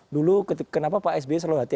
dulu kenapa pak sby selalu hati hati